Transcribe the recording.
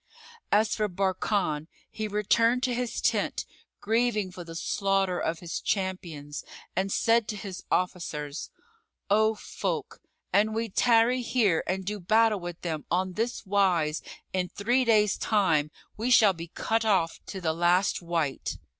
As for Barkan, he returned to his tent, grieving for the slaughter of his champions, and said to his officers, "O folk, an we tarry here and do battle with them on this wise in three days' time we shall be cut off to the last wight."